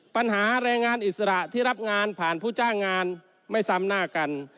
ปัญหาแรงงานอิสระที่รับงานผ่านผู้จ้างงานไม่ซ้ำหน้ากัน